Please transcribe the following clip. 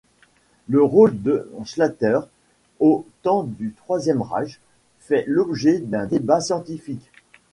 Le rôle de Schlatter au temps du Troisième Reich fait l'objet d'un débat scientifique.